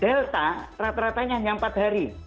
delta rata ratanya hanya empat hari